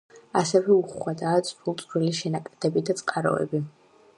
ასევე, უხვადაა წვრილ-წვრილი შენაკადები და წყაროები.